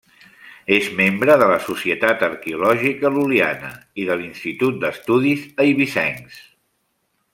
És membre de la Societat Arqueològica Lul·liana i de l'Institut d'Estudis Eivissencs.